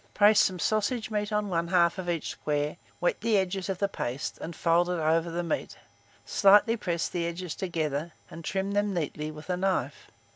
Place some sausage meat on one half of each square, wet the edges of the paste, and fold it over the meat; slightly press the edges together, and trim them neatly with a knife.